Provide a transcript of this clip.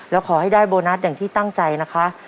แล้วขอให้ได้โบนัสอย่างที่ตั้งใจนะคะ